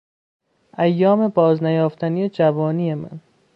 ایام باز نیافتنی جوانی من!